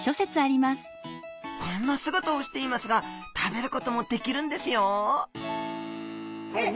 こんな姿をしていますが食べることもできるんですよ